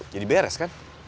jadi beres kan